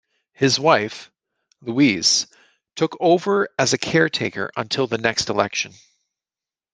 His wife, Louise, took over as a caretaker until the next election.